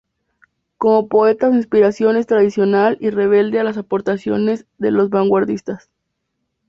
Como poeta su inspiración es tradicional y rebelde a las aportaciones de las Vanguardias.